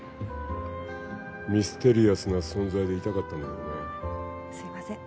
ミステリアスな存在でいたかったんだけどねすいません